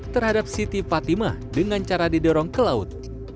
terhadap siti fatimah dengan cara didorong ke laut